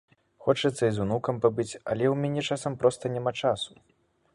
Хочацца і з унукам пабыць, але ў мяне часам проста няма часу.